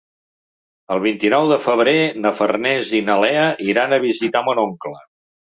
El vint-i-nou de febrer na Farners i na Lea iran a visitar mon oncle.